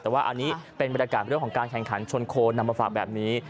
แต่ว่าอันนี้เป็นบรรยากาศเรื่องของการแข่งขันชนโคนนำมาฝากแบบนี้